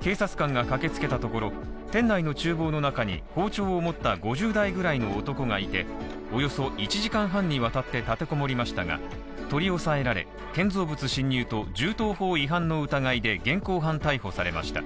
警察官が駆けつけたところ、店内の厨房の中に包丁を持った５０代ぐらいの男がいて、およそ１時間半にわたって立てこもりましたが、取り押さえられ建造物侵入と銃刀法違反の疑いで現行犯逮捕されました。